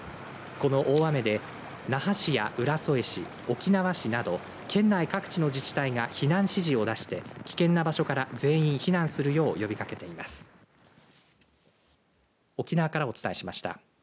この大雨で那覇市や浦添市、沖縄市など県内各地の自治体が避難指示を出して危険な場所から全員避難するよう呼びかけています。